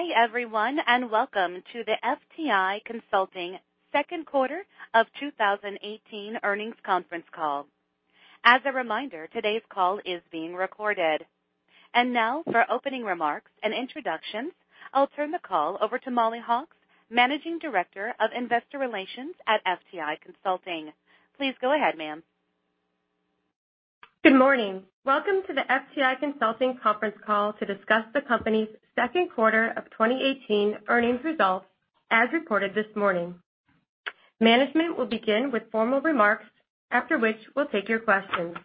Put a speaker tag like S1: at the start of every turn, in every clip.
S1: Good day everyone, welcome to the FTI Consulting second quarter of 2018 earnings conference call. As a reminder, today's call is being recorded. Now for opening remarks and introductions, I'll turn the call over to Mollie Hawkes, Managing Director of Investor Relations at FTI Consulting. Please go ahead, ma'am.
S2: Good morning. Welcome to the FTI Consulting conference call to discuss the company's second quarter of 2018 earnings results, as reported this morning. Management will begin with formal remarks, after which we'll take your questions.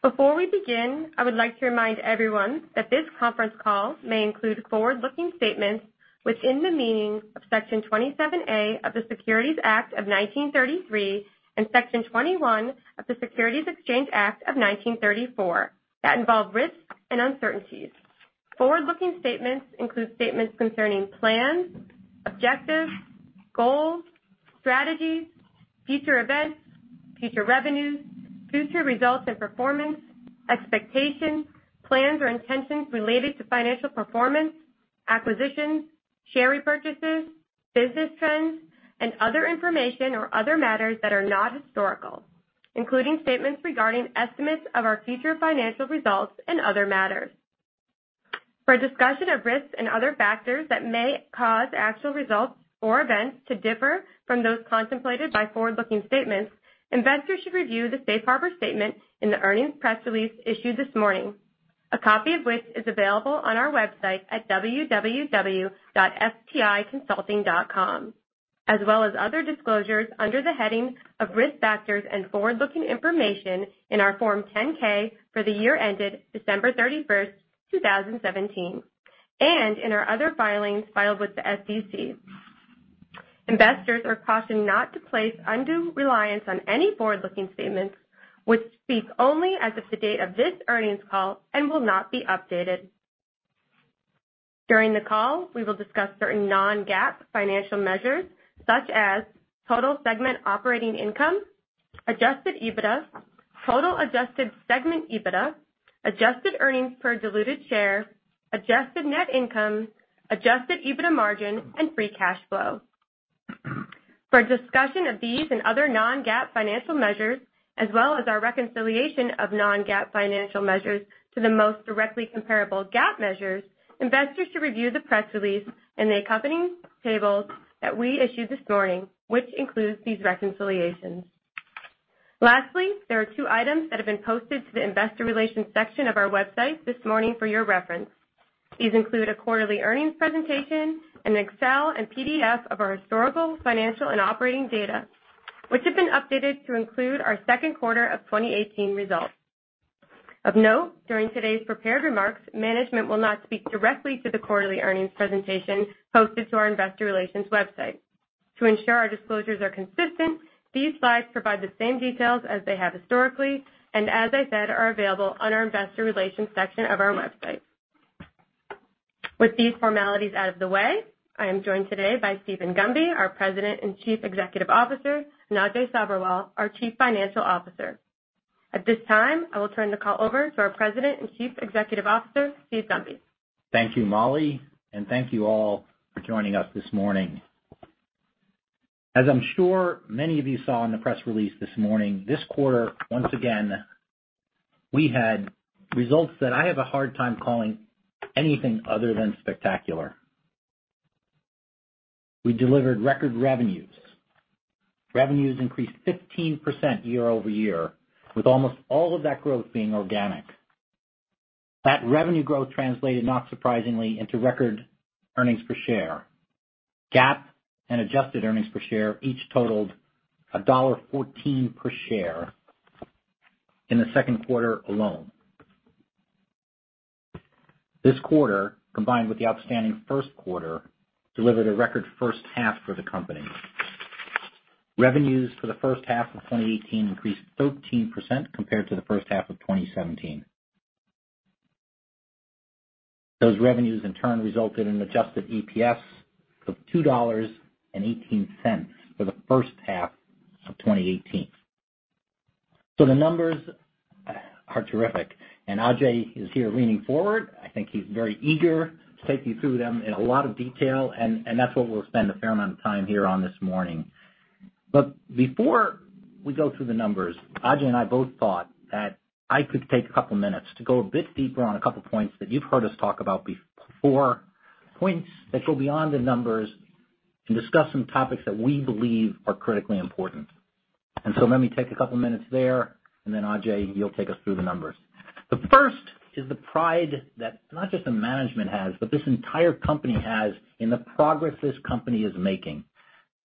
S2: Before we begin, I would like to remind everyone that this conference call may include forward-looking statements within the meaning of Section 27A of the Securities Act of 1933 and Section 21 of the Securities Exchange Act of 1934 that involve risks and uncertainties. Forward-looking statements include statements concerning plans, objectives, goals, strategies, future events, future revenues, future results and performance, expectations, plans or intentions related to financial performance, acquisitions, share repurchases, business trends, and other information or other matters that are not historical, including statements regarding estimates of our future financial results and other matters. For a discussion of risks and other factors that may cause actual results or events to differ from those contemplated by forward-looking statements, investors should review the safe harbor statement in the earnings press release issued this morning, a copy of which is available on our website at www.fticonsulting.com, as well as other disclosures under the heading of Risk Factors and Forward-Looking Information in our Form 10-K for the year ended December 31, 2017, and in our other filings filed with the SEC. Investors are cautioned not to place undue reliance on any forward-looking statements, which speak only as of the date of this earnings call and will not be updated. During the call, we will discuss certain non-GAAP financial measures, such as total segment operating income, adjusted EBITDA, total adjusted segment EBITDA, adjusted earnings per diluted share, adjusted net income, adjusted EBITDA margin, and free cash flow. For a discussion of these and other non-GAAP financial measures, as well as our reconciliation of non-GAAP financial measures to the most directly comparable GAAP measures, investors should review the press release and the accompanying tables that we issued this morning, which includes these reconciliations. Lastly, there are two items that have been posted to the investor relations section of our website this morning for your reference. These include a quarterly earnings presentation, an Excel and PDF of our historical financial and operating data, which have been updated to include our second quarter of 2018 results. Of note, during today's prepared remarks, management will not speak directly to the quarterly earnings presentation posted to our investor relations website. To ensure our disclosures are consistent, these slides provide the same details as they have historically, and as I said, are available on our investor relations section of our website. With these formalities out of the way, I am joined today by Steven Gunby, our President and Chief Executive Officer, and Ajay Sabherwal, our Chief Financial Officer. At this time, I will turn the call over to our President and Chief Executive Officer, Steve Gunby.
S3: Thank you, Mollie, and thank you all for joining us this morning. As I'm sure many of you saw in the press release this morning, this quarter, once again, we had results that I have a hard time calling anything other than spectacular. We delivered record revenues. Revenues increased 15% year-over-year, with almost all of that growth being organic. That revenue growth translated not surprisingly into record earnings per share. GAAP and adjusted earnings per share each totaled $1.14 per share in the second quarter alone. This quarter, combined with the outstanding first quarter, delivered a record first half for the company. Revenues for the first half of 2018 increased 13% compared to the first half of 2017. Those revenues in turn resulted in adjusted EPS of $2.18 for the first half of 2018. The numbers are terrific, and Ajay is here leaning forward. I think he's very eager to take you through them in a lot of detail, that's what we'll spend a fair amount of time here on this morning. Before we go through the numbers, Ajay and I both thought that I could take a couple minutes to go a bit deeper on a couple points that you've heard us talk about before, points that go beyond the numbers, and discuss some topics that we believe are critically important. Let me take a couple minutes there, and then Ajay, you'll take us through the numbers. The first is the pride that not just the management has, but this entire company has in the progress this company is making.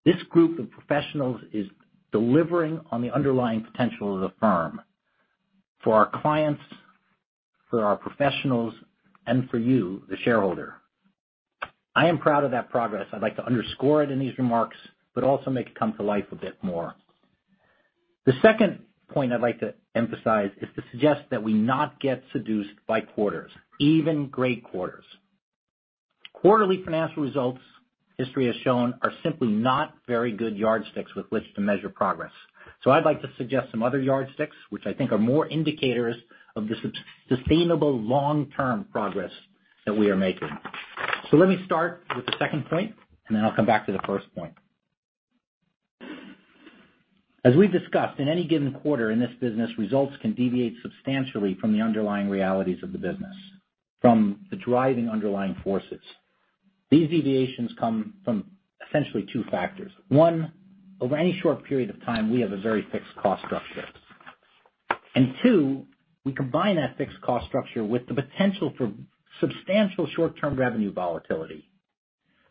S3: This group of professionals is delivering on the underlying potential of the firm for our clients, for our professionals, and for you, the shareholder. I am proud of that progress. I'd like to underscore it in these remarks, but also make it come to life a bit more. The second point I'd like to emphasize is to suggest that we not get seduced by quarters, even great quarters. Quarterly financial results- History has shown are simply not very good yardsticks with which to measure progress. I'd like to suggest some other yardsticks, which I think are more indicators of the sustainable long-term progress that we are making. Let me start with the second point, and then I'll come back to the first point. As we've discussed, in any given quarter in this business, results can deviate substantially from the underlying realities of the business, from the driving underlying forces. These deviations come from essentially two factors. One, over any short period of time, we have a very fixed cost structure. Two, we combine that fixed cost structure with the potential for substantial short-term revenue volatility.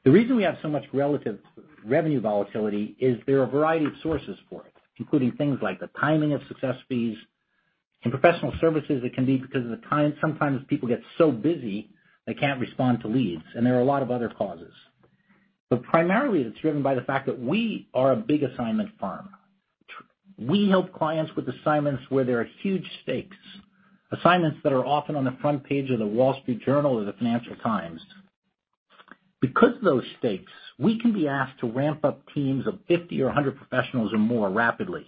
S3: The reason we have so much relative revenue volatility is there are a variety of sources for it, including things like the timing of success fees. In professional services, it can be because sometimes people get so busy they can't respond to leads, and there are a lot of other causes. Primarily, it's driven by the fact that we are a big assignment firm. We help clients with assignments where there are huge stakes, assignments that are often on the front page of The Wall Street Journal or the Financial Times. Because of those stakes, we can be asked to ramp up teams of 50 or 100 professionals or more rapidly.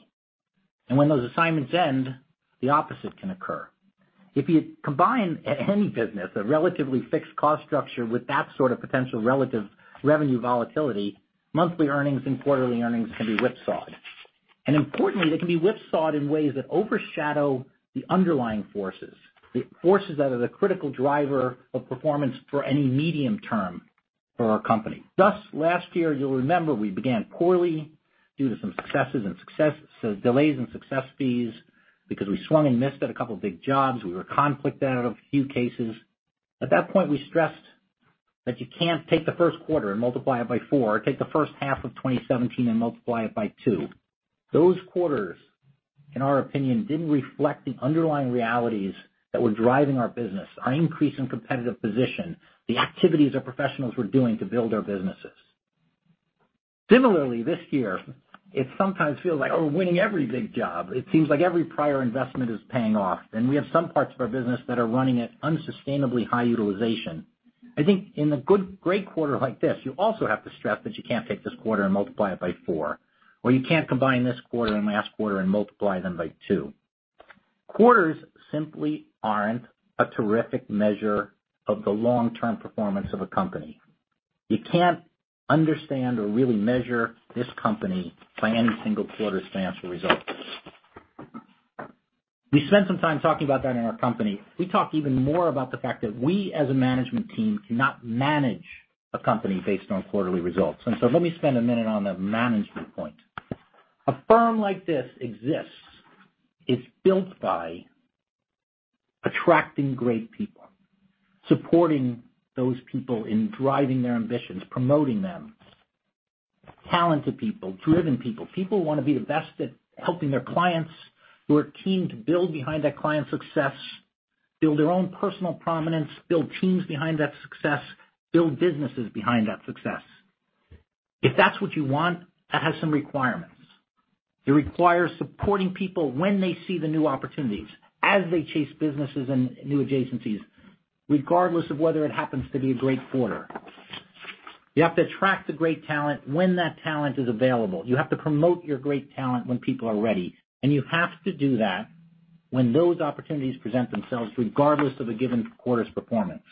S3: When those assignments end, the opposite can occur. If you combine any business, a relatively fixed cost structure with that sort of potential relative revenue volatility, monthly earnings and quarterly earnings can be whipsawed. Importantly, they can be whipsawed in ways that overshadow the underlying forces, the forces that are the critical driver of performance for any medium-term for our company. Thus, last year, you'll remember we began poorly due to some successes and delays in success fees because we swung and missed at a couple of big jobs. We were conflicted out of a few cases. At that point, we stressed that you can't take the first quarter and multiply it by four, or take the first half of 2017 and multiply it by two. Those quarters, in our opinion, didn't reflect the underlying realities that were driving our business, our increase in competitive position, the activities our professionals were doing to build our businesses. Similarly, this year, it sometimes feels like we're winning every big job. It seems like every prior investment is paying off, and we have some parts of our business that are running at unsustainably high utilization. I think in a great quarter like this, you also have to stress that you can't take this quarter and multiply it by four, or you can't combine this quarter and last quarter and multiply them by two. Quarters simply aren't a terrific measure of the long-term performance of a company. You can't understand or really measure this company by any single quarter's financial results. We spent some time talking about that in our company. We talked even more about the fact that we, as a management team, cannot manage a company based on quarterly results. So let me spend a minute on the management point. A firm like this exists. It's built by attracting great people, supporting those people in driving their ambitions, promoting them. Talented people, driven people who want to be the best at helping their clients, who are keen to build behind that client's success, build their own personal prominence, build teams behind that success, build businesses behind that success. If that's what you want, that has some requirements. It requires supporting people when they see the new opportunities as they chase businesses and new adjacencies, regardless of whether it happens to be a great quarter. You have to attract the great talent when that talent is available. You have to promote your great talent when people are ready, and you have to do that when those opportunities present themselves, regardless of a given quarter's performance.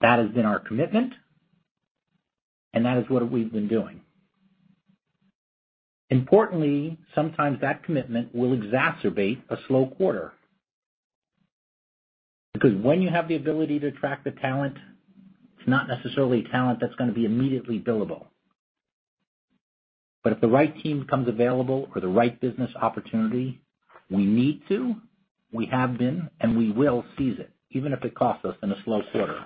S3: That has been our commitment, and that is what we've been doing. Importantly, sometimes that commitment will exacerbate a slow quarter. When you have the ability to attract the talent, it's not necessarily talent that's going to be immediately billable. If the right team becomes available or the right business opportunity, we need to, we have been, and we will seize it, even if it costs us in a slow quarter.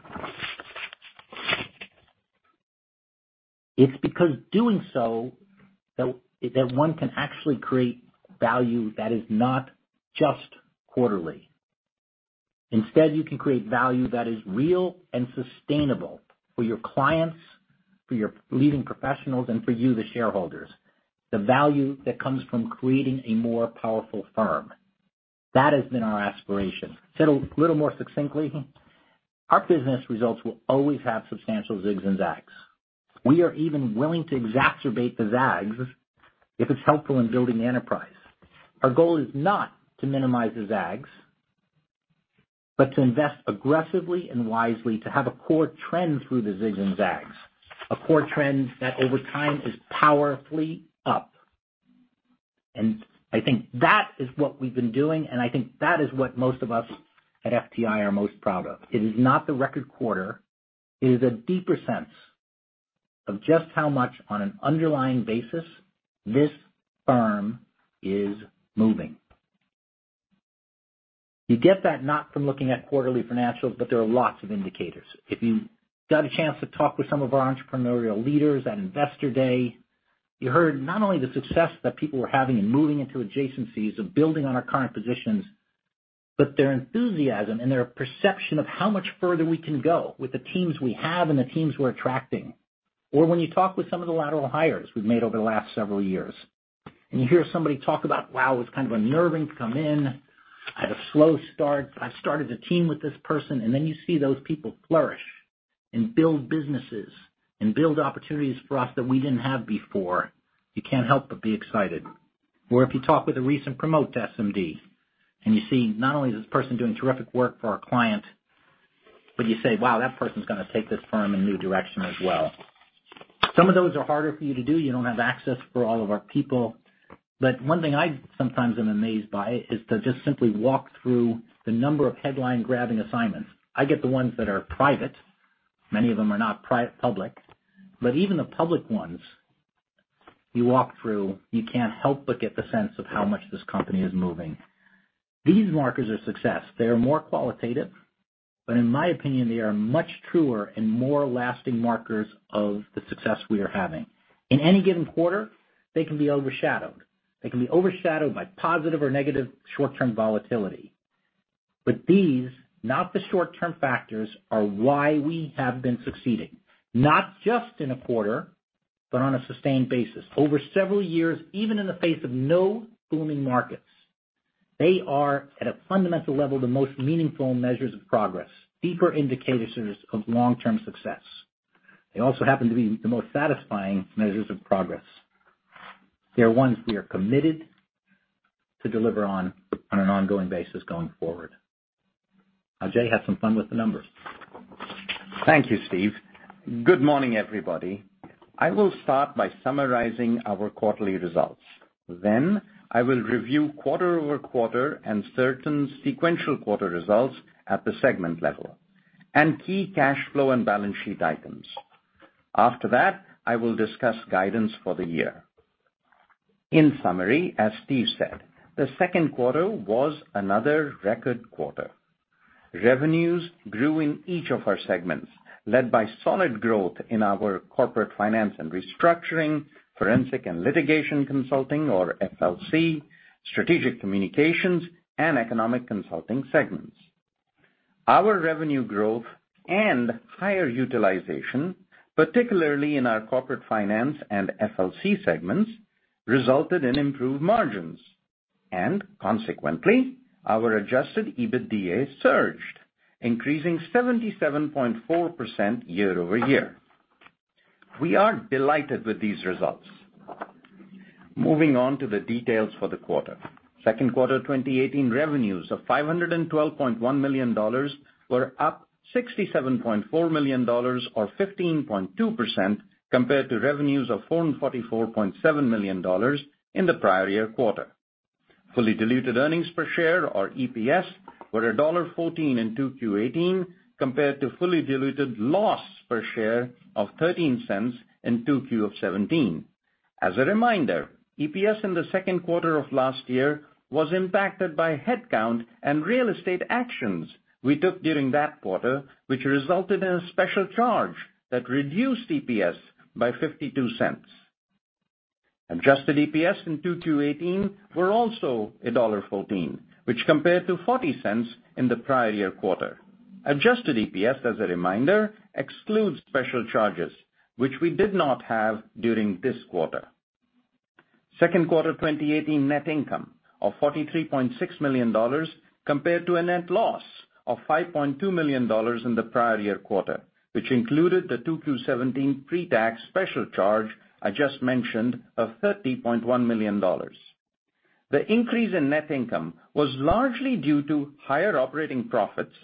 S3: It's because doing so, that one can actually create value that is not just quarterly. Instead, you can create value that is real and sustainable for your clients, for your leading professionals, and for you, the shareholders. The value that comes from creating a more powerful firm. That has been our aspiration. Said a little more succinctly, our business results will always have substantial zigs and zags. We are even willing to exacerbate the zags if it's helpful in building the enterprise. Our goal is not to minimize the zags, but to invest aggressively and wisely to have a core trend through the zigs and zags, a core trend that over time is powerfully up. I think that is what we've been doing, and I think that is what most of us at FTI are most proud of. It is not the record quarter. It is a deeper sense of just how much on an underlying basis this firm is moving. You get that not from looking at quarterly financials, but there are lots of indicators. If you got a chance to talk with some of our entrepreneurial leaders at Investor Day, you heard not only the success that people were having in moving into adjacencies, of building on our current positions, but their enthusiasm and their perception of how much further we can go with the teams we have and the teams we're attracting. When you talk with some of the lateral hires we've made over the last several years. You hear somebody talk about, "Wow, it was kind of unnerving to come in. I had a slow start. I started a team with this person." Then you see those people flourish and build businesses and build opportunities for us that we didn't have before. You can't help but be excited. If you talk with a recent promote to SMD, you see not only is this person doing terrific work for our client, but you say, "Wow, that person's going to take this firm in a new direction as well." Some of those are harder for you to do. You don't have access for all of our people. One thing I sometimes am amazed by is to just simply walk through the number of headline-grabbing assignments. I get the ones that are private. Many of them are not public, but even the public ones you walk through, you can't help but get the sense of how much this company is moving. These markers are success. They are more qualitative, but in my opinion, they are much truer and more lasting markers of the success we are having. In any given quarter, they can be overshadowed. They can be overshadowed by positive or negative short-term volatility. These, not the short-term factors, are why we have been succeeding, not just in a quarter, but on a sustained basis over several years, even in the face of no booming markets. They are, at a fundamental level, the most meaningful measures of progress, deeper indicators of long-term success. They also happen to be the most satisfying measures of progress. They're ones we are committed to deliver on an ongoing basis going forward. Ajay had some fun with the numbers.
S4: Thank you, Steve. Good morning, everybody. I will start by summarizing our quarterly results. I will review quarter-over-quarter and certain sequential quarter results at the segment level and key cash flow and balance sheet items. I will discuss guidance for the year. In summary, as Steve said, the second quarter was another record quarter. Revenues grew in each of our segments, led by solid growth in our Corporate Finance & Restructuring, Forensic and Litigation Consulting or FLC, Strategic Communications, and Economic Consulting segments. Our revenue growth and higher utilization, particularly in our Corporate Finance & Restructuring and FLC segments, resulted in improved margins, and consequently, our adjusted EBITDA surged, increasing 77.4% year-over-year. We are delighted with these results. Moving on to the details for the quarter. Second quarter 2018 revenues of $512.1 million were up $67.4 million or 15.2% compared to revenues of $444.7 million in the prior year quarter. Fully diluted earnings per share or EPS were $1.14 in 2Q18, compared to fully diluted loss per share of $0.13 in 2Q17. As a reminder, EPS in the second quarter of last year was impacted by headcount and real estate actions we took during that quarter, which resulted in a special charge that reduced EPS by $0.52. Adjusted EPS in 2Q18 were also $1.14, which compared to $0.40 in the prior year quarter. Adjusted EPS, as a reminder, excludes special charges, which we did not have during this quarter. Second quarter 2018 net income of $43.6 million compared to a net loss of $5.2 million in the prior year quarter, which included the 2Q17 pre-tax special charge I just mentioned of $30.1 million. The increase in net income was largely due to higher operating profits,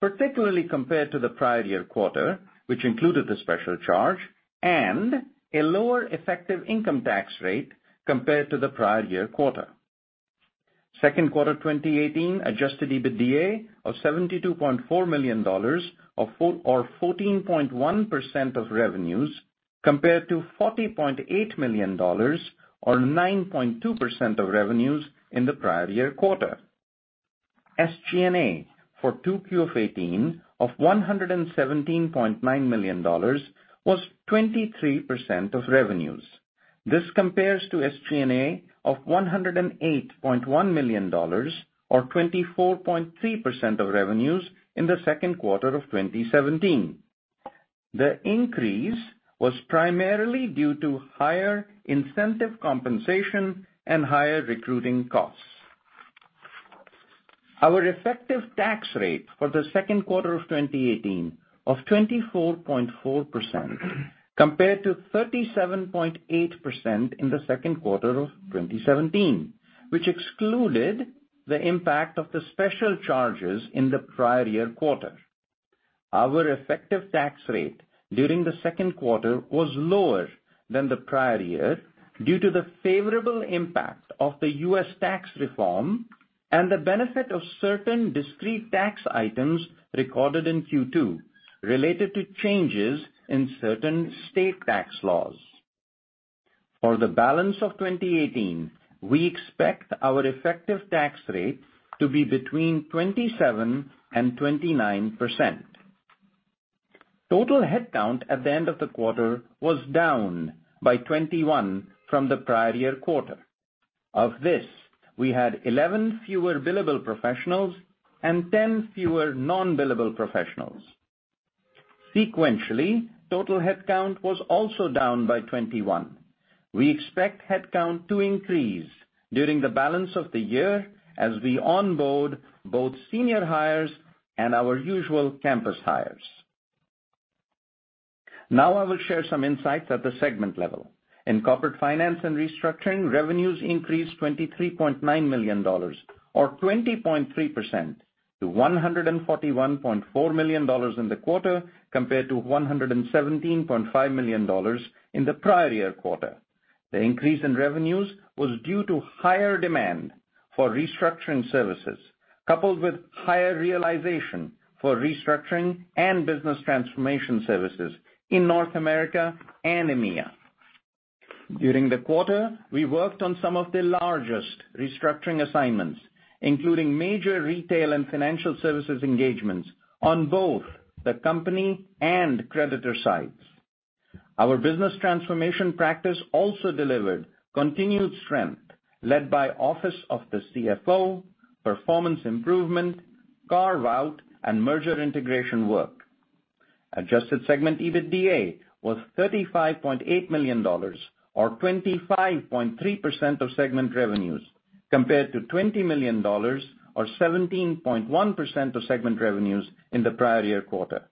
S4: particularly compared to the prior year quarter, which included the special charge and a lower effective income tax rate compared to the prior year quarter. Second quarter 2018 adjusted EBITDA of $72.4 million or 14.1% of revenues compared to $40.8 million or 9.2% of revenues in the prior year quarter. SG&A for 2Q18 of $117.9 million was 23% of revenues. This compares to SG&A of $108.1 million or 24.3% of revenues in the second quarter of 2017. The increase was primarily due to higher incentive compensation and higher recruiting costs. Our effective tax rate for the second quarter of 2018 of 24.4% compared to 37.8% in the second quarter of 2017, which excluded the impact of the special charges in the prior year quarter. Our effective tax rate during the second quarter was lower than the prior year due to the favorable impact of the U.S. tax reform and the benefit of certain discrete tax items recorded in Q2 related to changes in certain state tax laws. For the balance of 2018, we expect our effective tax rate to be between 27% and 29%. Total headcount at the end of the quarter was down by 21 from the prior year quarter. Of this, we had 11 fewer billable professionals and 10 fewer non-billable professionals. Sequentially, total headcount was also down by 21. I will share some insights at the segment level. In Corporate Finance & Restructuring, revenues increased $23.9 million or 20.3% to $141.4 million in the quarter compared to $117.5 million in the prior year quarter. The increase in revenues was due to higher demand for restructuring services, coupled with higher realization for restructuring and business transformation services in North America and EMEA. During the quarter, we worked on some of the largest restructuring assignments, including major retail and financial services engagements on both the company and creditor sides. Our business transformation practice also delivered continued strength, led by Office of the CFO, performance improvement, carve-out, and merger integration work. Adjusted segment EBITDA was $35.8 million, or 25.3% of segment revenues, compared to $20 million, or 17.1% of segment revenues in the prior year quarter.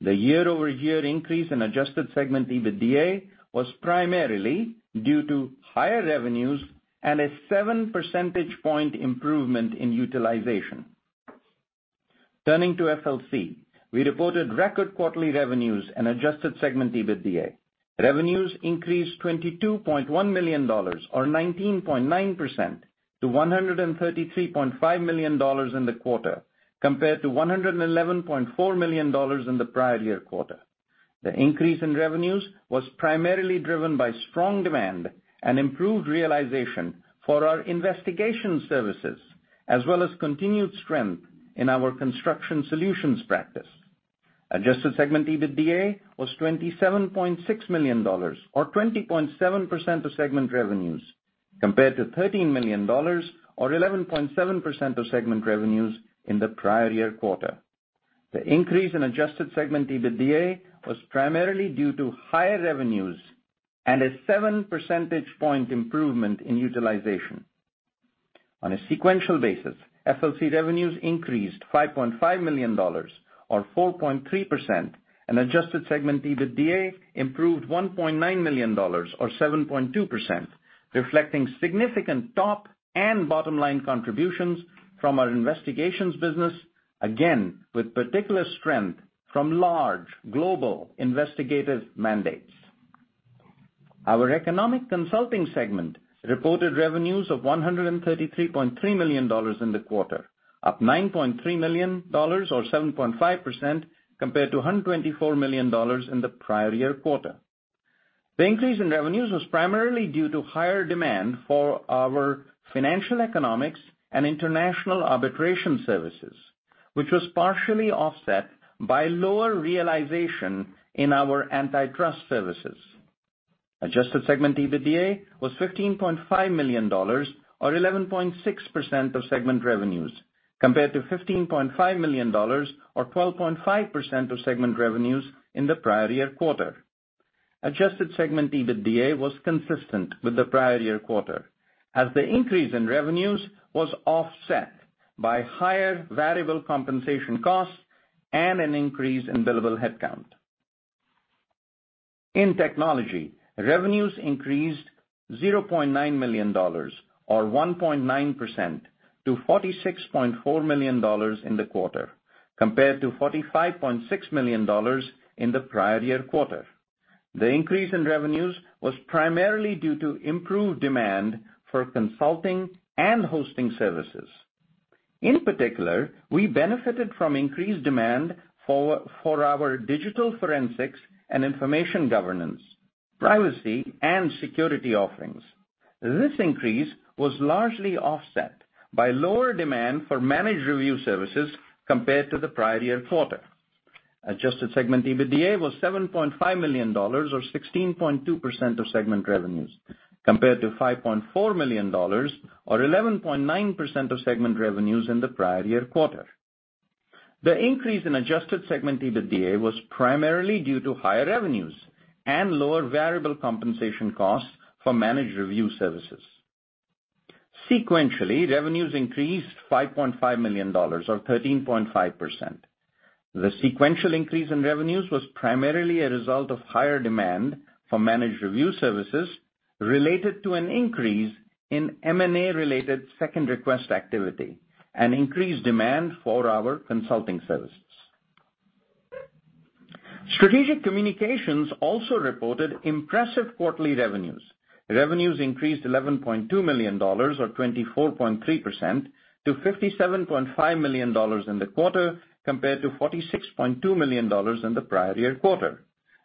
S4: The year-over-year increase in adjusted segment EBITDA was primarily due to higher revenues and a seven percentage point improvement in utilization. Turning to FLC, we reported record quarterly revenues and adjusted segment EBITDA. Revenues increased $22.1 million or 19.9% to $133.5 million in the quarter, compared to $111.4 million in the prior year quarter. The increase in revenues was primarily driven by strong demand and improved realization for our investigation services, as well as continued strength in our construction solutions practice. Adjusted segment EBITDA was $27.6 million or 20.7% of segment revenues, compared to $13 million or 11.7% of segment revenues in the prior year quarter. The increase in adjusted segment EBITDA was primarily due to higher revenues and a seven percentage point improvement in utilization. On a sequential basis, FLC revenues increased $5.5 million or 4.3%, and adjusted segment EBITDA improved $1.9 million or 7.2%, reflecting significant top and bottom-line contributions from our investigations business, again, with particular strength from large global investigative mandates. Our Economic Consulting segment reported revenues of $133.3 million in the quarter, up $9.3 million or 7.5% compared to $124 million in the prior year quarter. The increase in revenues was primarily due to higher demand for our financial economics and international arbitration services, which was partially offset by lower realization in our antitrust services. Adjusted segment EBITDA was $15.5 million or 11.6% of segment revenues, compared to $15.5 million or 12.5% of segment revenues in the prior year quarter. Adjusted segment EBITDA was consistent with the prior year quarter as the increase in revenues was offset by higher variable compensation costs and an increase in billable headcount. In technology, revenues increased $0.9 million or 1.9% to $46.4 million in the quarter compared to $45.6 million in the prior year quarter. The increase in revenues was primarily due to improved demand for consulting and hosting services. In particular, we benefited from increased demand for our digital forensics and information governance, privacy, and security offerings. This increase was largely offset by lower demand for managed review services compared to the prior year quarter. Adjusted segment EBITDA was $7.5 million or 16.2% of segment revenues compared to $5.4 million or 11.9% of segment revenues in the prior year quarter. The increase in adjusted segment EBITDA was primarily due to higher revenues and lower variable compensation costs for managed review services. Sequentially, revenues increased $5.5 million or 13.5%. The sequential increase in revenues was primarily a result of higher demand for managed review services related to an increase in M&A-related second request activity and increased demand for our consulting services. Strategic Communications also reported impressive quarterly revenues. Revenues increased $11.2 million or 24.3% to $57.5 million in the quarter compared to $46.2 million in the prior year quarter.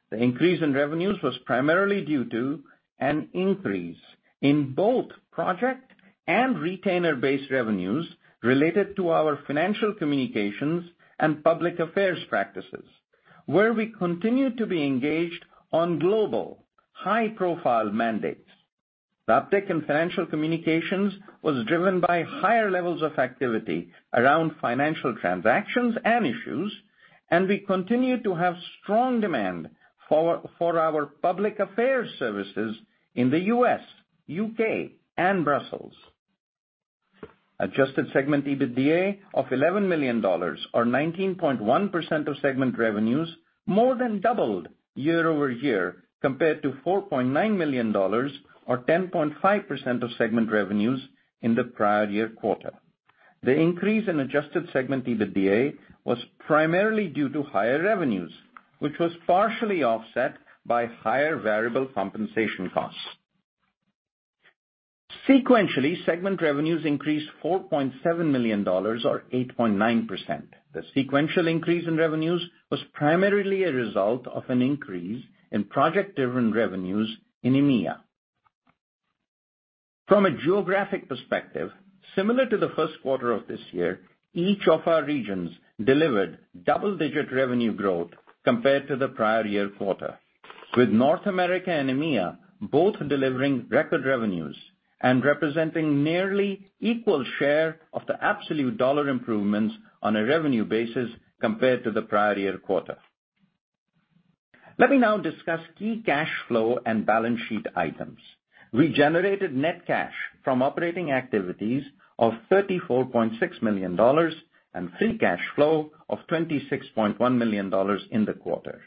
S4: The increase in revenues was primarily due to an increase in both project and retainer-based revenues related to our financial communications and public affairs practices, where we continue to be engaged on global high-profile mandates. The uptick in financial communications was driven by higher levels of activity around financial transactions and issues. We continue to have strong demand for our public affairs services in the U.S., U.K., and Brussels. Adjusted segment EBITDA of $11 million or 19.1% of segment revenues more than doubled year-over-year compared to $4.9 million or 10.5% of segment revenues in the prior year quarter. The increase in adjusted segment EBITDA was primarily due to higher revenues, which was partially offset by higher variable compensation costs. Sequentially, segment revenues increased $4.7 million or 8.9%. The sequential increase in revenues was primarily a result of an increase in project-driven revenues in EMEA. From a geographic perspective, similar to the first quarter of this year, each of our regions delivered double-digit revenue growth compared to the prior year quarter, with North America and EMEA both delivering record revenues and representing nearly equal share of the absolute dollar improvements on a revenue basis compared to the prior year quarter. Let me now discuss key cash flow and balance sheet items. We generated net cash from operating activities of $34.6 million and free cash flow of $26.1 million in the quarter.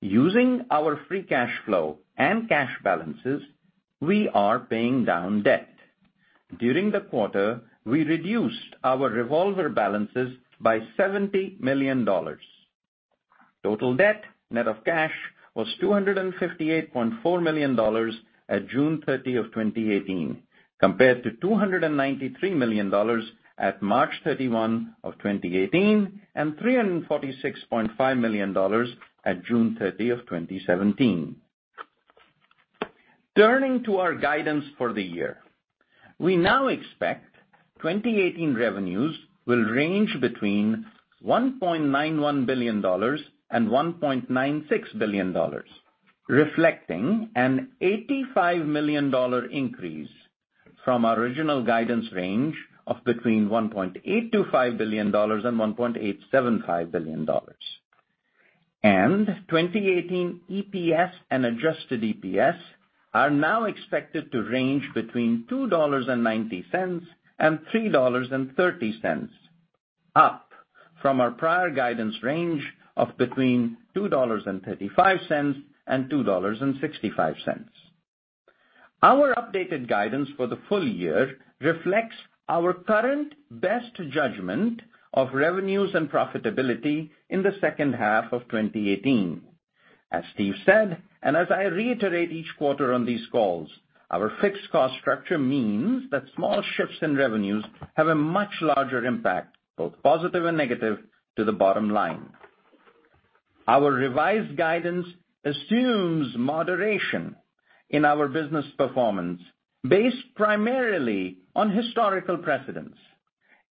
S4: Using our free cash flow and cash balances, we are paying down debt. During the quarter, we reduced our revolver balances by $70 million. Total debt net of cash was $258.4 million at June 30 of 2018 compared to $293 million at March 31 of 2018 and $346.5 million at June 30 of 2017. Turning to our guidance for the year. We now expect 2018 revenues will range between $1.91 billion and $1.96 billion, reflecting an $85 million increase from our original guidance range of between $1.825 billion and $1.875 billion. 2018 EPS and adjusted EPS are now expected to range between $2.90 and $3.30, up from our prior guidance range of between $2.35 and $2.65. Our updated guidance for the full year reflects our current best judgment of revenues and profitability in the second half of 2018. As Steven said, as I reiterate each quarter on these calls, our fixed cost structure means that small shifts in revenues have a much larger impact, both positive and negative, to the bottom line. Our revised guidance assumes moderation in our business performance based primarily on historical precedents.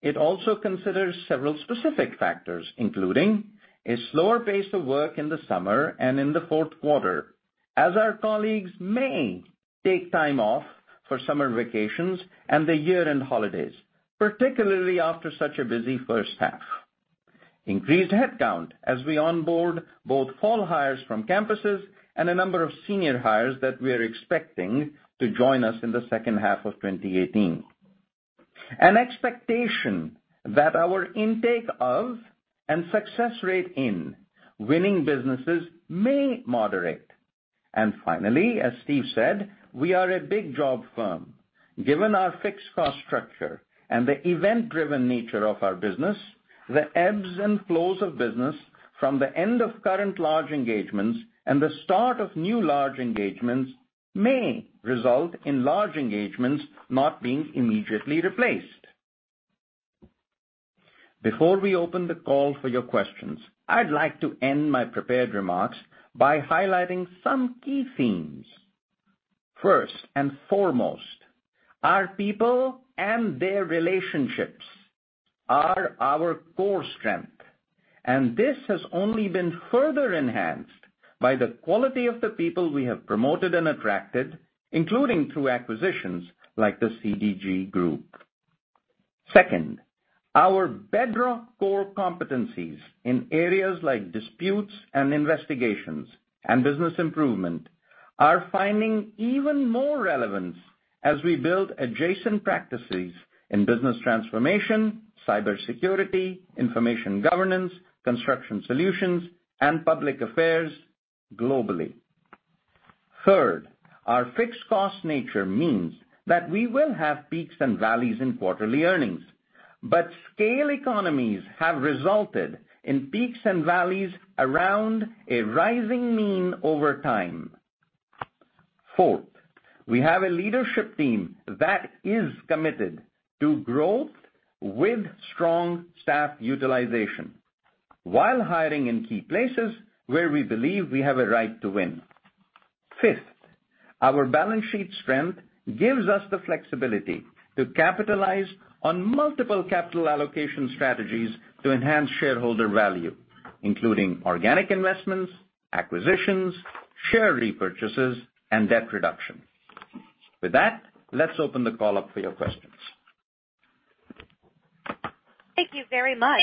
S4: It also considers several specific factors, including a slower pace of work in the summer and in the fourth quarter as our colleagues may take time off for summer vacations and the year-end holidays, particularly after such a busy first half. Increased headcount as we onboard both fall hires from campuses and a number of senior hires that we're expecting to join us in the second half of 2018. An expectation that our intake of and success rate in winning businesses may moderate. Finally, as Steven said, we are a big job firm. Given our fixed cost structure and the event-driven nature of our business, the ebbs and flows of business from the end of current large engagements and the start of new large engagements may result in large engagements not being immediately replaced. Before we open the call for your questions, I'd like to end my prepared remarks by highlighting some key themes. First and foremost, our people and their relationships are our core strength, and this has only been further enhanced by the quality of the people we have promoted and attracted, including through acquisitions like the CDG Group. Second, our bedrock core competencies in areas like disputes and investigations and business improvement are finding even more relevance as we build adjacent practices in business transformation, cybersecurity, information governance, construction solutions, and public affairs globally. Third, our fixed cost nature means that we will have peaks and valleys in quarterly earnings, scale economies have resulted in peaks and valleys around a rising mean over time. Fourth, we have a leadership team that is committed to growth with strong staff utilization while hiring in key places where we believe we have a right to win. Fifth, our balance sheet strength gives us the flexibility to capitalize on multiple capital allocation strategies to enhance shareholder value, including organic investments, acquisitions, share repurchases, and debt reduction. That, let's open the call up for your questions.
S1: Thank you very much.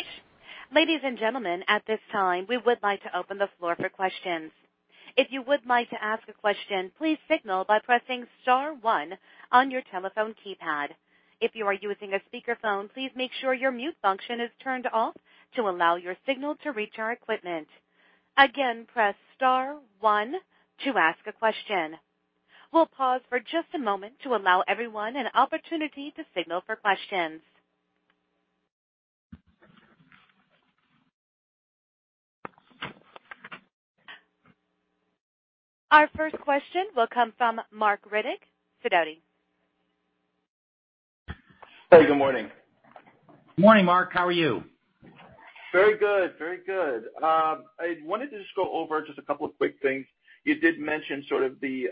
S1: Ladies and gentlemen, at this time, we would like to open the floor for questions. If you would like to ask a question, please signal by pressing star one on your telephone keypad. If you are using a speakerphone, please make sure your mute function is turned off to allow your signal to reach our equipment. Again, press star one to ask a question. We'll pause for just a moment to allow everyone an opportunity to signal for questions. Our first question will come from Marc Riddick, Sidoti.
S5: Hey, good morning.
S3: Morning, Marc. How are you?
S5: Very good. I wanted to just go over just a couple of quick things. You did mention sort of the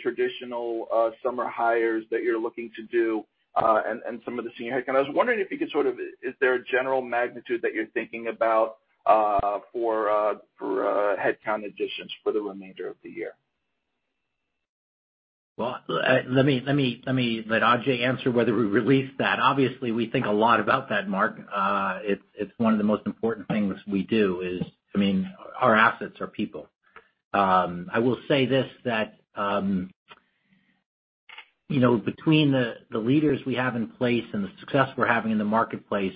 S5: traditional summer hires that you're looking to do, and some of the senior headcount. I was wondering if you could sort of, is there a general magnitude that you're thinking about for headcount additions for the remainder of the year?
S3: Well, let me let Ajay answer whether we released that. Obviously, we think a lot about that, Marc. It's one of the most important things we do is, I mean, our assets are people. I will say this, that between the leaders we have in place and the success we're having in the marketplace,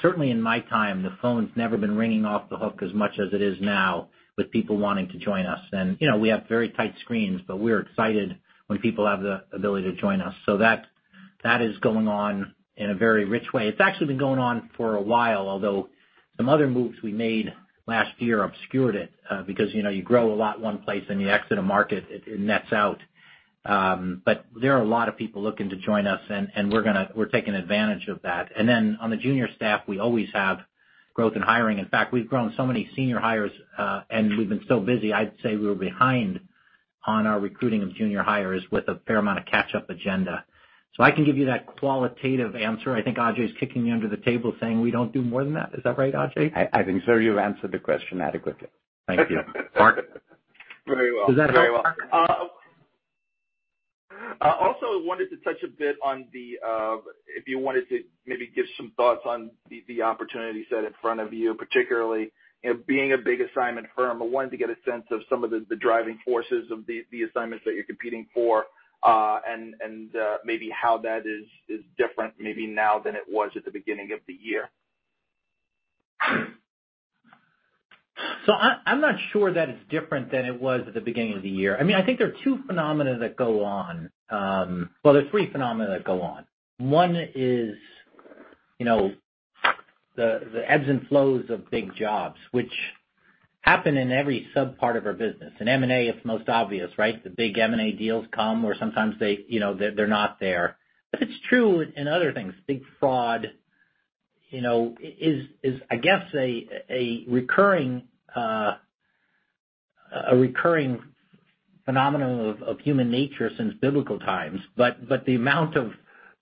S3: certainly in my time, the phone's never been ringing off the hook as much as it is now with people wanting to join us. We have very tight screens, but we're excited when people have the ability to join us. That is going on in a very rich way. It's actually been going on for a while, although some other moves we made last year obscured it, because you grow a lot one place, and you exit a market, it nets out. There are a lot of people looking to join us, and we're taking advantage of that. On the junior staff, we always have growth in hiring. In fact, we've grown so many senior hires, and we've been so busy, I'd say we were behind on our recruiting of junior hires with a fair amount of catch-up agenda. I can give you that qualitative answer. I think Ajay's kicking me under the table saying we don't do more than that. Is that right, Ajay?
S4: I think, sir, you've answered the question adequately.
S3: Thank you. Marc?
S5: Very well.
S3: Does that help, Marc?
S5: I wanted to touch a bit on if you wanted to maybe give some thoughts on the opportunity set in front of you. Particularly, being a big assignment firm, I wanted to get a sense of some of the driving forces of the assignments that you're competing for, and maybe how that is different maybe now than it was at the beginning of the year.
S3: I'm not sure that it's different than it was at the beginning of the year. I think there are two phenomena that go on. There are three phenomena that go on. One is the ebbs and flows of big jobs, which happen in every sub-part of our business. In M&A, it's most obvious, right? The big M&A deals come, or sometimes they're not there. It's true in other things. Big fraud is, I guess, a recurring phenomenon of human nature since biblical times. The amount of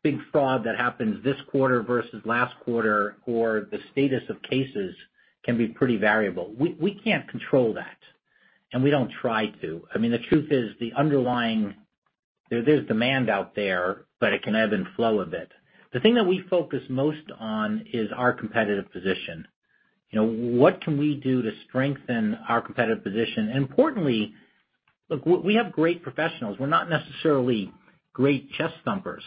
S3: big fraud that happens this quarter versus last quarter or the status of cases can be pretty variable. We can't control that, and we don't try to. I mean, the truth is the underlying, there's demand out there, but it can ebb and flow a bit. The thing that we focus most on is our competitive position. What can we do to strengthen our competitive position? Importantly, look, we have great professionals. We're not necessarily great chest thumpers.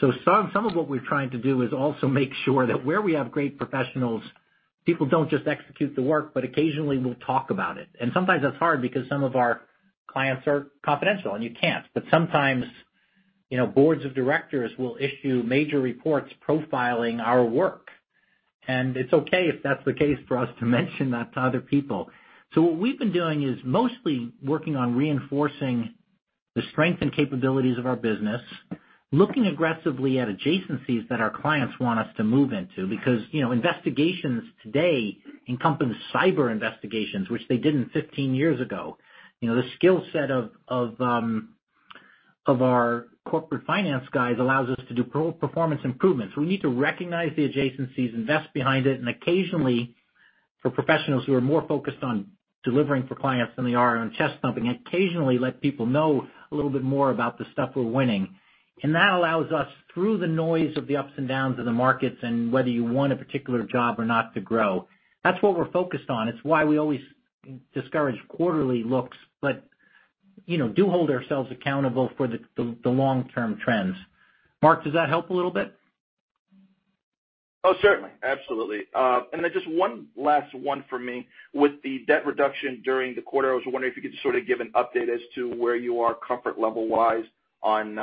S3: Some of what we're trying to do is also make sure that where we have great professionals, people don't just execute the work, but occasionally will talk about it. Sometimes that's hard because some of our clients are confidential, and you can't. Sometimes boards of directors will issue major reports profiling our work, and it's okay if that's the case for us to mention that to other people. What we've been doing is mostly working on reinforcing the strength and capabilities of our business, looking aggressively at adjacencies that our clients want us to move into, because investigations today encompass cyber investigations, which they didn't 15 years ago. The skill set of our Corporate Finance guys allows us to do performance improvements. We need to recognize the adjacencies, invest behind it, and occasionally, for professionals who are more focused on delivering for clients than they are on chest thumping, occasionally let people know a little bit more about the stuff we're winning. That allows us through the noise of the ups and downs of the markets and whether you won a particular job or not to grow. That's what we're focused on. It's why we always discourage quarterly looks but do hold ourselves accountable for the long-term trends. Marc, does that help a little bit?
S5: Oh, certainly. Absolutely. Then just one last one for me. With the debt reduction during the quarter, I was wondering if you could sort of give an update as to where you are comfort level-wise on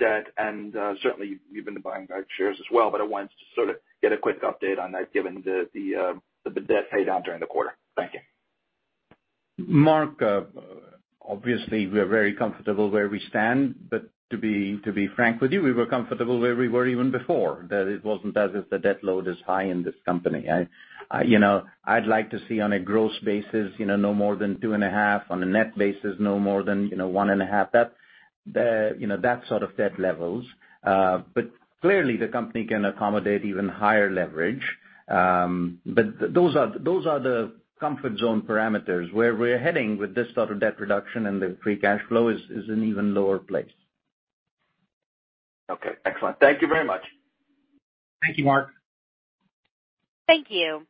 S5: debt, and certainly you've been buying back shares as well, but I wanted to sort of get a quick update on that given the debt pay down during the quarter. Thank you.
S4: Marc, obviously we're very comfortable where we stand, but to be frank with you, we were comfortable where we were even before. It wasn't as if the debt load is high in this company. I'd like to see on a gross basis, no more than 2.5 on a net basis, no more than 1.5. That sort of debt levels. Clearly the company can accommodate even higher leverage. Those are the comfort zone parameters. Where we're heading with this sort of debt reduction and the free cash flow is an even lower place.
S5: Okay, excellent. Thank you very much.
S3: Thank you, Marc.
S1: Thank you.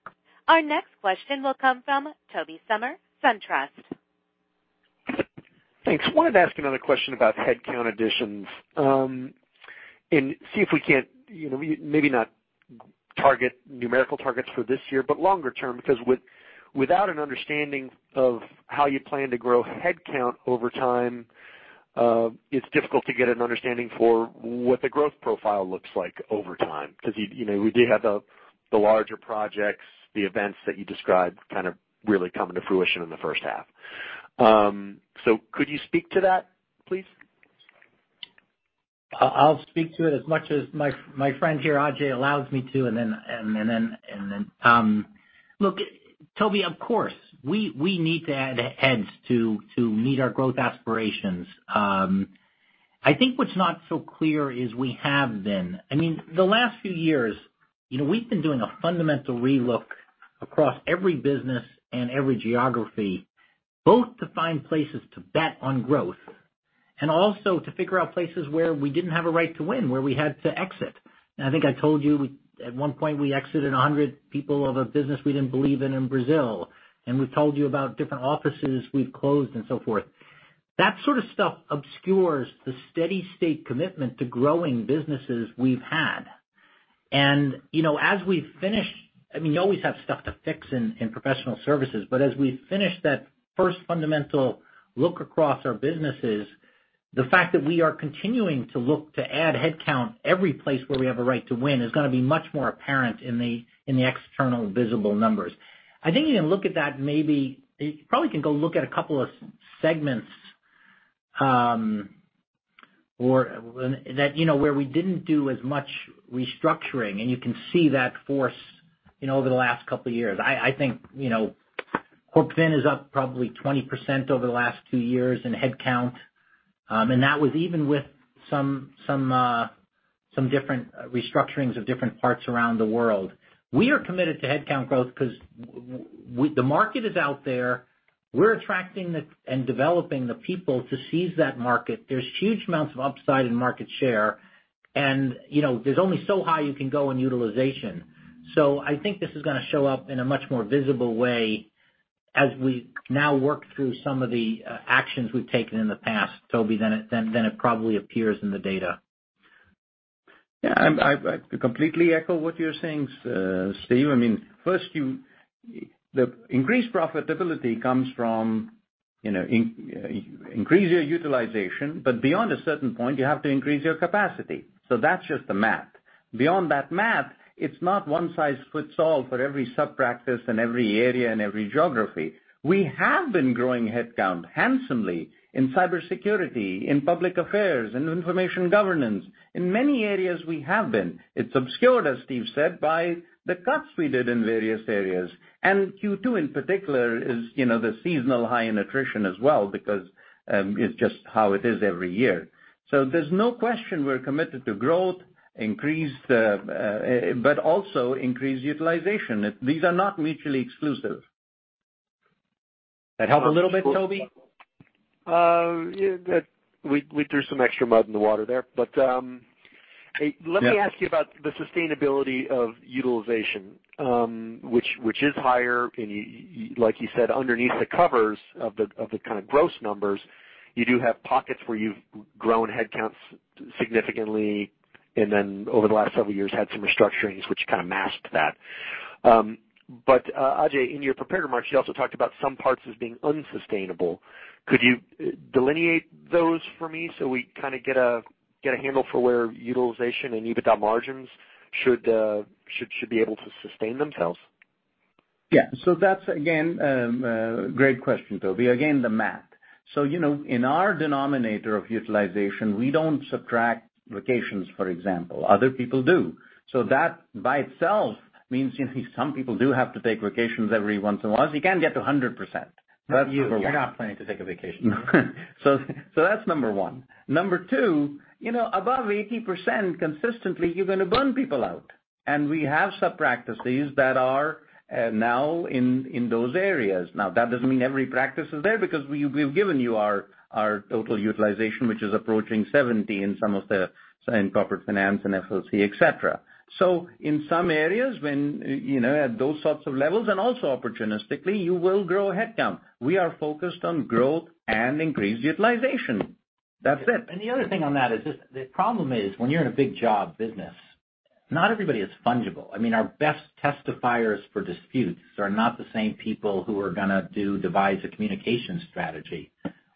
S1: Our next question will come from Tobey Sommer, SunTrust.
S6: Thanks. See if we can't, maybe not target numerical targets for this year, but longer term, because without an understanding of how you plan to grow headcount over time, it's difficult to get an understanding for what the growth profile looks like over time. We do have the larger projects, the events that you described kind of really coming to fruition in the first half. Could you speak to that, please?
S3: I'll speak to it as much as my friend here, Ajay, allows me to. Look, Tobey, of course, we need to add heads to meet our growth aspirations. I think what's not so clear is we have been. The last few years, we've been doing a fundamental relook across every business and every geography, both to find places to bet on growth and also to figure out places where we didn't have a right to win, where we had to exit. I think I told you, at one point, we exited 100 people of a business we didn't believe in in Brazil, and we've told you about different offices we've closed and so forth. That sort of stuff obscures the steady state commitment to growing businesses we've had. You always have stuff to fix in professional services. As we finish that first fundamental look across our businesses, the fact that we are continuing to look to add headcount every place where we have a right to win is going to be much more apparent in the external visible numbers. I think you can look at that maybe. You probably can go look at a couple of segments where we didn't do as much restructuring, and you can see that force over the last couple of years. I think CorpFin is up probably 20% over the last two years in headcount. That was even with some different restructurings of different parts around the world. We are committed to headcount growth because the market is out there. We're attracting and developing the people to seize that market. There's huge amounts of upside in market share, and there's only so high you can go in utilization. I think this is going to show up in a much more visible way as we now work through some of the actions we've taken in the past, Tobey, than it probably appears in the data.
S4: Yeah. I completely echo what you're saying, Steven. First, the increased profitability comes from increase your utilization, beyond a certain point, you have to increase your capacity. That's just the math. Beyond that math, it's not one size fits all for every sub-practice in every area and every geography. We have been growing headcount handsomely in cybersecurity, in public affairs, in information governance. In many areas, we have been. It's obscured, as Steven said, by the cuts we did in various areas. Q2 in particular is the seasonal high in attrition as well, because it's just how it is every year. There's no question we're committed to growth, but also increased utilization. These are not mutually exclusive. That help a little bit, Tobey?
S6: We threw some extra mud in the water there.
S4: Yeah
S6: Let me ask you about the sustainability of utilization, which is higher. Like you said, underneath the covers of the kind of gross numbers, you do have pockets where you've grown headcounts significantly, and then over the last several years, had some restructurings which kind of masked that. Ajay, in your prepared remarks, you also talked about some parts as being unsustainable. Could you delineate those for me so we kind of get a handle for where utilization and EBITDA margins should be able to sustain themselves?
S4: Yeah. That's again, great question, Tobey. Again, the math. In our denominator of utilization, we don't subtract vacations, for example. Other people do. That by itself means some people do have to take vacations every once in a while, so you can't get to 100%. That's number one.
S3: You're not planning to take a vacation.
S4: That's number one. Number two, above 80% consistently, you're going to burn people out. We have sub-practices that are now in those areas. That doesn't mean every practice is there because we've given you our total utilization, which is approaching 70 in some of the Corporate Finance and FLC, et cetera. In some areas, at those sorts of levels and also opportunistically, you will grow headcount. We are focused on growth and increased utilization. That's it.
S3: The other thing on that is the problem is when you're in a big job business, not everybody is fungible. Our best testifiers for disputes are not the same people who are going to devise a communication strategy.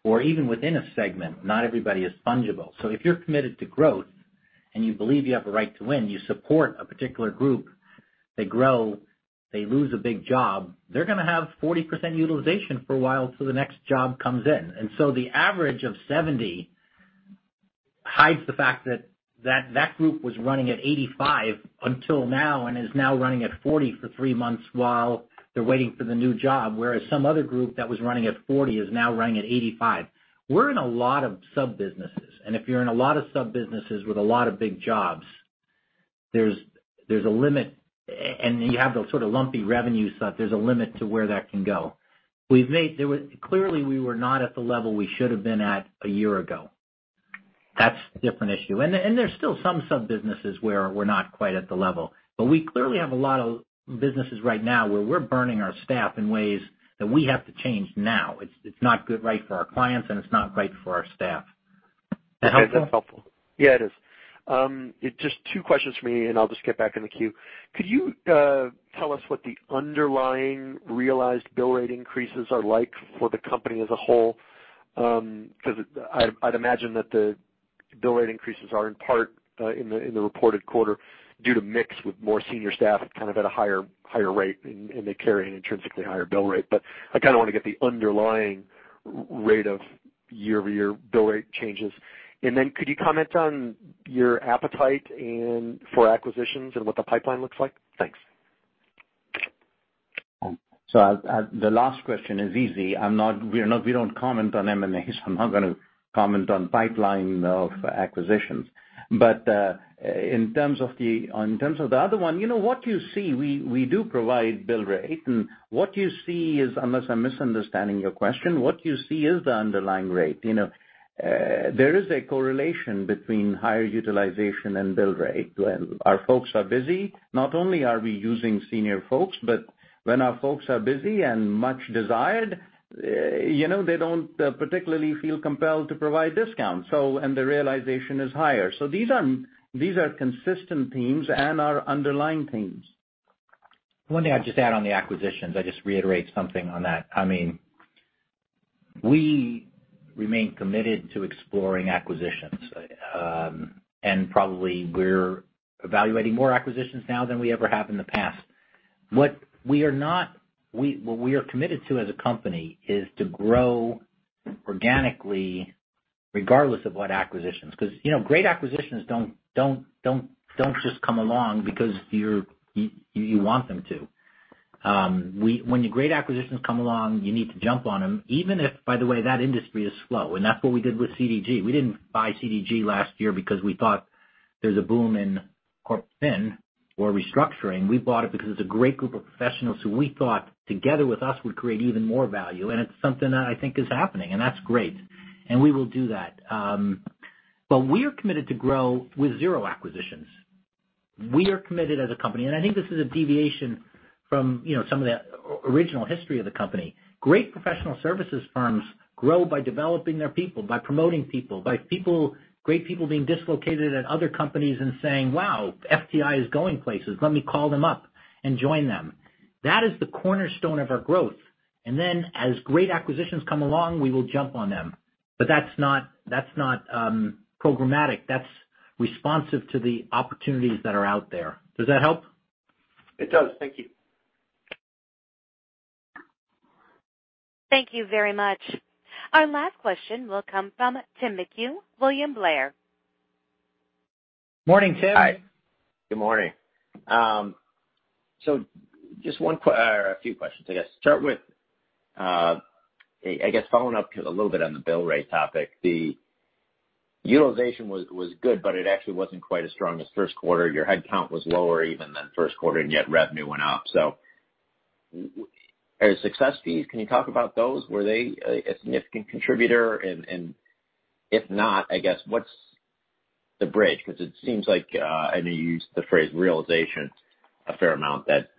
S3: Even within a segment, not everybody is fungible. If you're committed to growth and you believe you have a right to win, you support a particular group, they grow, they lose a big job, they're going to have 40% utilization for a while till the next job comes in. The average of 70 hides the fact that that group was running at 85 until now and is now running at 40 for three months while they're waiting for the new job, whereas some other group that was running at 40 is now running at 85. We're in a lot of sub-businesses, if you're in a lot of sub-businesses with a lot of big jobs. There's a limit, you have those sort of lumpy revenue stuff. There's a limit to where that can go. Clearly, we were not at the level we should have been at a year ago. That's a different issue. There's still some sub-businesses where we're not quite at the level. We clearly have a lot of businesses right now where we're burning our staff in ways that we have to change now. It's not good right for our clients, and it's not right for our staff. Does that helpful?
S6: That's helpful. Yeah, it is. Just two questions from me, I'll just get back in the queue. Could you tell us what the underlying realized bill rate increases are like for the company as a whole? I'd imagine that the bill rate increases are in part in the reported quarter due to mix with more senior staff kind of at a higher rate, and they carry an intrinsically higher bill rate. I kind of want to get the underlying rate of year-over-year bill rate changes. Could you comment on your appetite for acquisitions and what the pipeline looks like? Thanks.
S4: The last question is easy. We don't comment on M&As. I'm not going to comment on pipeline of acquisitions. In terms of the other one, what you see, we do provide bill rate. What you see is, unless I'm misunderstanding your question, what you see is the underlying rate. There is a correlation between higher utilization and bill rate. When our folks are busy, not only are we using senior folks, but when our folks are busy and much desired, they don't particularly feel compelled to provide discounts, and the realization is higher. These are consistent themes and are underlying themes.
S3: One thing I'd just add on the acquisitions, I just reiterate something on that. We remain committed to exploring acquisitions, probably we're evaluating more acquisitions now than we ever have in the past. What we are committed to as a company is to grow organically, regardless of what acquisitions. Because great acquisitions don't just come along because you want them to. When great acquisitions come along, you need to jump on them, even if, by the way, that industry is slow. That's what we did with CDG. We didn't buy CDG last year because we thought there's a boom in CorpFin or restructuring. We bought it because it's a great group of professionals who we thought, together with us, would create even more value, and it's something that I think is happening, and that's great. We will do that. We're committed to grow with zero acquisitions. We are committed as a company, and I think this is a deviation from some of the original history of the company. Great professional services firms grow by developing their people, by promoting people, by great people being dislocated at other companies and saying, "Wow, FTI is going places. Let me call them up and join them." That is the cornerstone of our growth. As great acquisitions come along, we will jump on them. That's not programmatic. That's responsive to the opportunities that are out there. Does that help?
S6: It does. Thank you.
S1: Thank you very much. Our last question will come from Tim McHugh, William Blair.
S3: Morning, Tim.
S7: Hi. Good morning. Just a few questions, I guess. Start with, I guess following up a little bit on the bill rate topic. The utilization was good, but it actually wasn't quite as strong as first quarter. Your head count was lower even than first quarter, and yet revenue went up. Are success fees, can you talk about those? Were they a significant contributor? If not, I guess what's the bridge? Because it seems like, I know you used the phrase realization a fair amount, that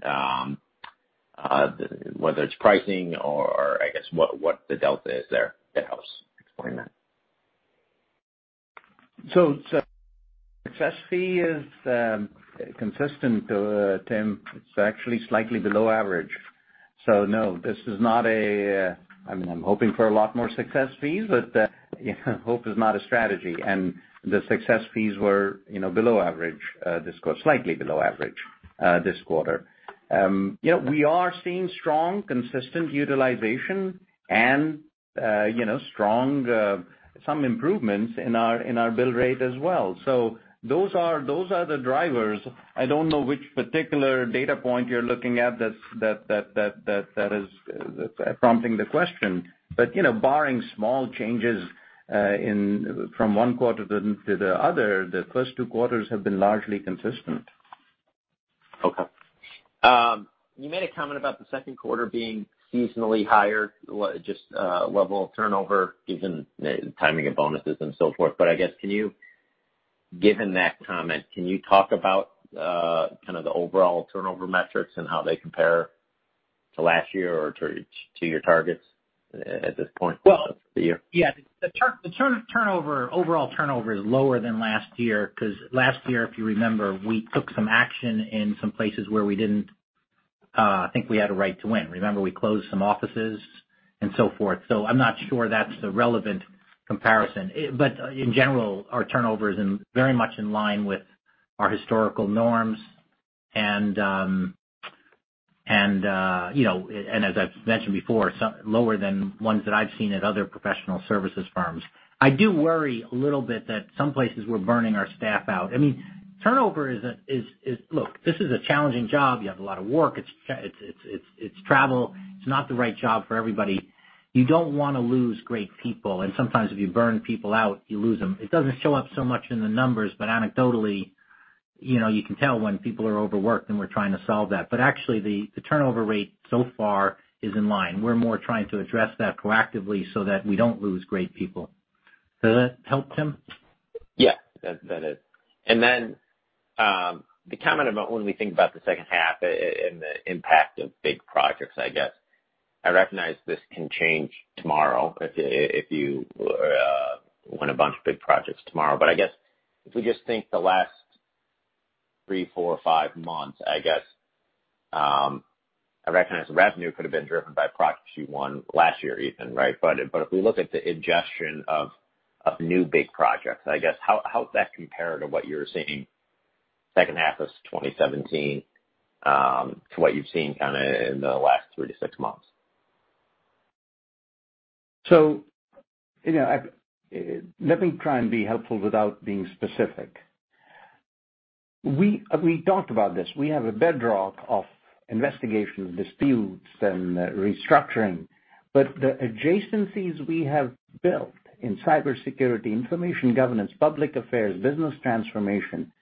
S7: whether it's pricing or I guess what the delta is there that helps explain that.
S4: Success fee is consistent, Tim. It's actually slightly below average. No, I mean, I'm hoping for a lot more success fees, but hope is not a strategy. The success fees were below average this quarter, slightly below average this quarter. We are seeing strong, consistent utilization and some improvements in our bill rate as well. Those are the drivers. I don't know which particular data point you're looking at that is prompting the question. Barring small changes from one quarter to the other, the first two quarters have been largely consistent.
S7: Okay. You made a comment about the second quarter being seasonally higher, just level of turnover given the timing of bonuses and so forth. I guess, given that comment, can you talk about kind of the overall turnover metrics and how they compare to last year or to your targets at this point for the year?
S3: Yeah. The overall turnover is lower than last year because last year, if you remember, we took some action in some places where we didn't think we had a right to win. Remember, we closed some offices and so forth. I'm not sure that's the relevant comparison. In general, our turnover is very much in line with our historical norms and as I've mentioned before, lower than ones that I've seen at other professional services firms. I do worry a little bit that some places we're burning our staff out. Look, this is a challenging job. You have a lot of work. It's travel. It's not the right job for everybody. You don't want to lose great people, and sometimes if you burn people out, you lose them. It doesn't show up so much in the numbers, anecdotally, you can tell when people are overworked, and we're trying to solve that. Actually, the turnover rate so far is in line. We're more trying to address that proactively so that we don't lose great people. Does that help, Tim?
S7: Yes. That's better. Then, the comment about when we think about the second half and the impact of big projects, I guess. I recognize this can change tomorrow if you win a bunch of big projects tomorrow. I guess, if we just think the last three, four, five months, I guess, I recognize the revenue could have been driven by projects you won last year even, right? If we look at the ingestion of new big projects, I guess, how does that compare to what you're seeing second half of 2017, to what you've seen kind of in the last 3 to 6 months?
S4: Let me try and be helpful without being specific. We talked about this. We have a bedrock of investigations, disputes, and restructuring. The adjacencies we have built in cybersecurity, information governance, public affairs, business transformation.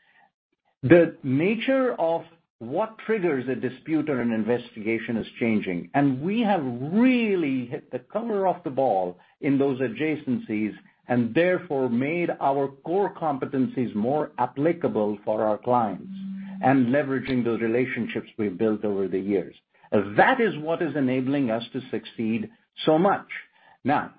S4: The nature of what triggers a dispute or an investigation is changing, and we have really hit the cover off the ball in those adjacencies, and therefore made our core competencies more applicable for our clients, and leveraging those relationships we've built over the years. That is what is enabling us to succeed so much. Now,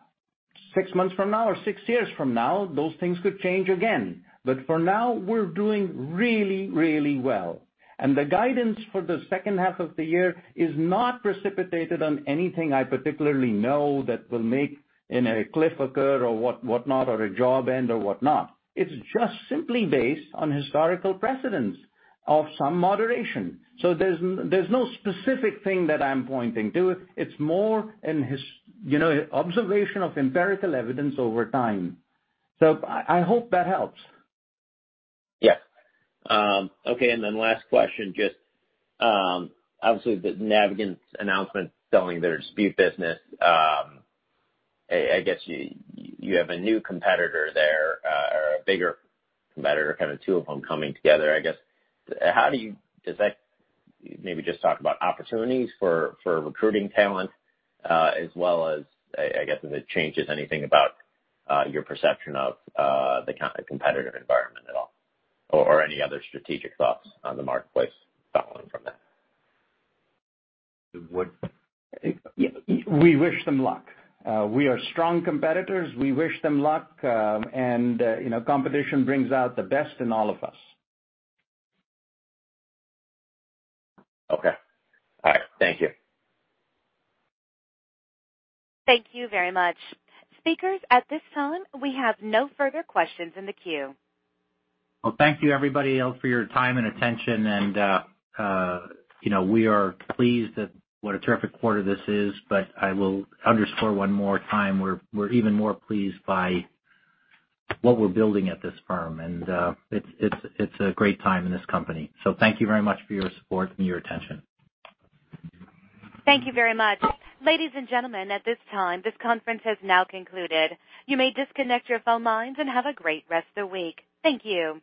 S4: 6 months from now or 6 years from now, those things could change again. For now, we're doing really, really well. The guidance for the second half of the year is not precipitated on anything I particularly know that will make a cliff occur or whatnot, or a job end or whatnot. It's just simply based on historical precedence of some moderation. There's no specific thing that I'm pointing to. It's more an observation of empirical evidence over time. I hope that helps.
S7: Yes. Okay, last question, just obviously the Navigant's announcement selling their dispute business. I guess you have a new competitor there, or a bigger competitor, kind of two of them coming together, I guess. Maybe just talk about opportunities for recruiting talent, as well as, I guess, if it changes anything about your perception of the competitive environment at all, or any other strategic thoughts on the marketplace following from that.
S4: We wish them luck. We are strong competitors. We wish them luck, and competition brings out the best in all of us.
S7: Okay. All right. Thank you.
S1: Thank you very much. Speakers, at this time, we have no further questions in the queue.
S3: Well, thank you everybody else for your time and attention. We are pleased at what a terrific quarter this is. I will underscore one more time, we're even more pleased by what we're building at this firm. It's a great time in this company. Thank you very much for your support and your attention.
S1: Thank you very much. Ladies and gentlemen, at this time, this conference has now concluded. You may disconnect your phone lines and have a great rest of the week. Thank you.